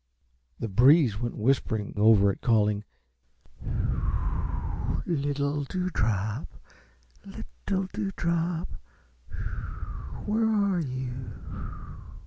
The breeze went whispering over it, calling, "Little Dewdrop, little Dewdrop, where are you?"